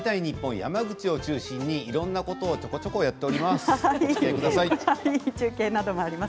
山口を中心に、いろいろなことをちょこちょこやっています。